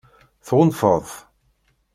Tɣunfaḍ-t?